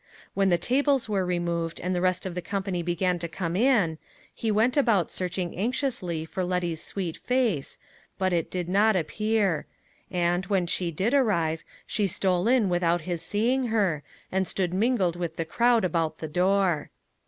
When the tables were removed, and the rest of the company began to come in, he went about searching anxiously for Letty's sweet face, but it did not appear; and, when she did arrive, she stole in without his seeing her, and stood mingled with the crowd about the door.